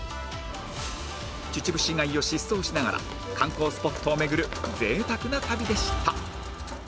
秩父市街を疾走しながら観光スポットを巡る贅沢な旅でした